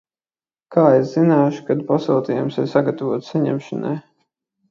Kā es zināšu, kad pasūtījums ir sagatavots saņemšanai?